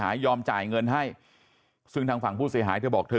ยอมจ่ายเงินให้ซึ่งทางฝั่งผู้เสียหายเธอบอกเธอ